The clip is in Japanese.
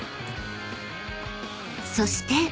［そして］